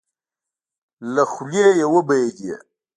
له خولې يې وبهېدې.